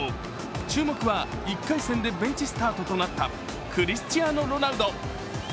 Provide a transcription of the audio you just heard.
注目は、１回戦でベンチスタートとなったクリスチアーノ・ロナウド。